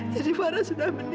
jadi para sudah berhati hati